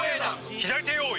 左手用意！